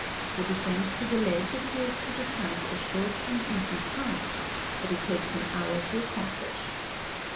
The descent to the ledge appears to the sight a short and easy task, but it takes an hour to accomplish.